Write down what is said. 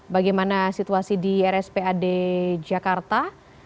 bagaimana situasi di rspad jakarta